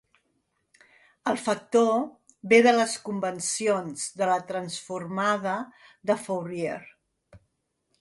El factor ve de les convencions de la transformada de Fourier.